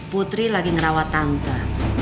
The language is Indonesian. putri lagi ngerawat tante